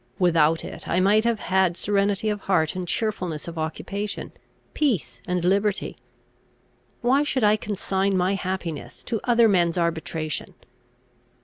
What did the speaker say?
Without it, I might have had serenity of heart and cheerfulness of occupation, peace, and liberty; why should I consign my happiness to other men's arbitration?